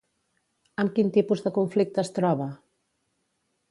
Amb quin tipus de conflicte es troba?